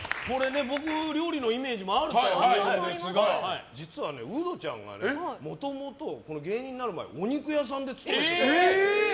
僕、料理のイメージあるとは思うんですが実はウドちゃんがもともと芸人になる前お肉屋さんに勤めてたから。